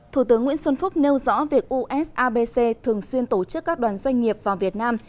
thủ tướng nguyễn xuân phúc nêu rõ việc usabc thường xuyên tổ chức các đoàn doanh nghiệp vào việt nam